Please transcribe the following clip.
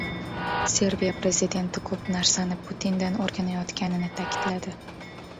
Serbiya Prezidenti ko‘p narsani Putindan o‘rganayotganini ta’kidladi